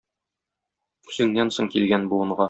Үзеңнән соң килгән буынга.